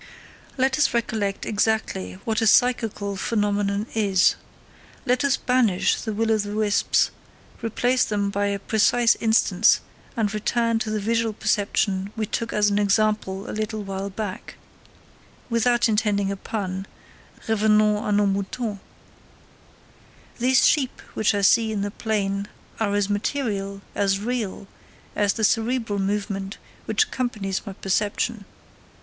Let us recollect exactly what a psychical phenomenon is. Let us banish the will o' the wisps, replace them by a precise instance, and return to the visual perception we took as an example a little while back: without intending a pun, "revenons à nos moutons." These sheep which I see in the plain are as material, as real, as the cerebral movement which accompanies my perception.